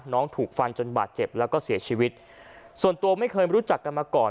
ถูกฟันจนบาดเจ็บแล้วก็เสียชีวิตส่วนตัวไม่เคยรู้จักกันมาก่อน